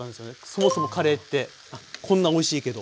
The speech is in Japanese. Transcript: そもそもカレーってこんなおいしいけど。